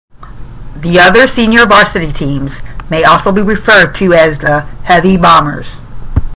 The other senior varsity teams may also be referred to as the Heavy Bombers.